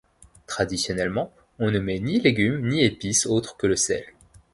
Traditionnellement, on ne met ni légumes ni épices autres que le sel.